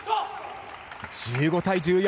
１５対１４。